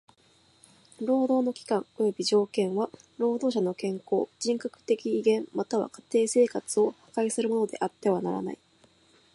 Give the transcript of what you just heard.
労働の期間および条件は労働者の健康、人格的威厳または家庭生活を破壊するものであってはならない。